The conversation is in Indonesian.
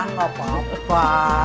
ah gak apa apa